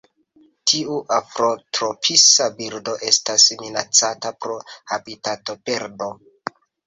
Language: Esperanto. Tiu afrotropisa birdo estas minacata pro habitatoperdo.